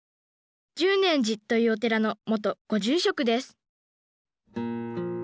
十念寺というお寺の元ご住職です